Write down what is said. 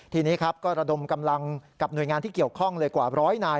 ทีนี้ครับก็ระดมกำลังกับหน่วยงานที่เกี่ยวข้องเลยกว่าร้อยนาย